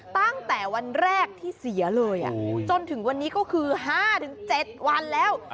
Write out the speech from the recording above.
ตั้งแต่วันแรกที่เสียเลยจนถึงวันนี้ก็คือ๕๗วันแล้ว